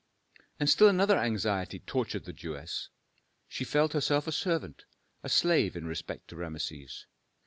And still another anxiety tortured the Jewess. She felt herself a servant, a slave in respect to Rameses.